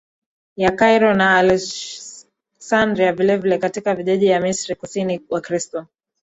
ya Kairo na Aleksandriavilevile katika vijiji vya Misri Kusini Wakristo